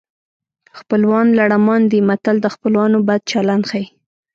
خپلوان لړمان دي متل د خپلوانو بد چلند ښيي